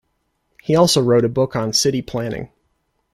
He also wrote a book on city planning.